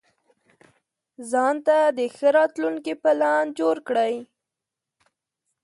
ځانته د ښه راتلونکي پلان جوړ کړئ.